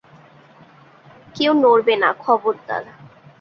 কেউ নড়বে না, খবরদার!